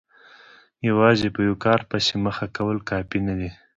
یوازې په یوه کار پسې مخه کول کافي نه دي.